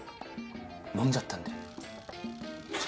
飲んじゃったんで。